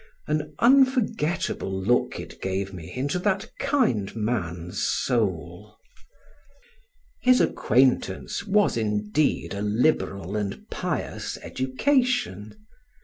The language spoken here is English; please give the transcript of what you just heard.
An unforgettable look it gave me into that kind man's soul. His acquaintance was indeed a liberal and pious education.